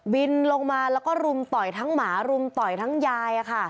บินลงมาแล้วก็รุมต่อยทั้งหมารุมต่อยทั้งยาย